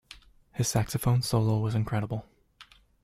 His saxophone solo was incredible.